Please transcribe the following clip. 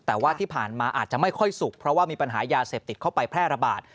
แต่ว่าที่ผ่านมาอาจจะไม่ค่อยสุกเพราะว่ามีปัญหายาเสพติดเข้าไปแพร่ระบาด